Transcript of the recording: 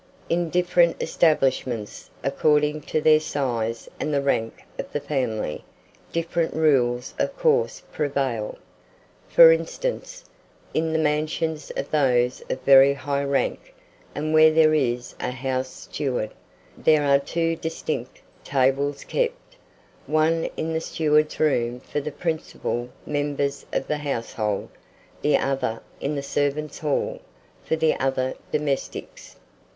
In different establishments, according to their size and the rank of the family, different rules of course prevail. For instance, in the mansions of those of very high rank, and where there is a house steward, there are two distinct tables kept, one in the steward's room for the principal members of the household, the other in the servants' hall, for the other domestics.